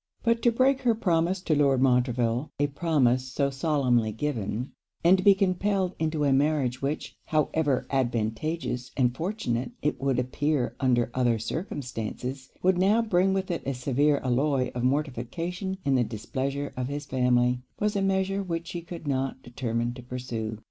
But to break her promise to Lord Montreville; a promise so solemnly given; and to be compelled into a marriage which, however advantageous and fortunate it would appear under other circumstances, would now bring with it a severe alloy of mortification in the displeasure of his family; was a measure which she could not determine to pursue.